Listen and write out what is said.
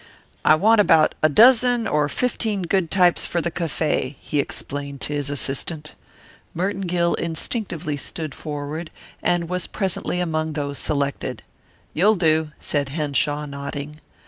"I want about a dozen or fifteen good types for the cafe," he explained to his assistant. Merton Gill instinctively stood forward, and was presently among those selected. "You'll do," said Henshaw, nodding.